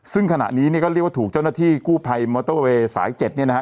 ซึ่งขณะนี้เนี่ยก็เรียกว่าถูกเจ้าหน้าที่กู้ภัยมอเตอร์เวย์สาย๗เนี่ยนะฮะ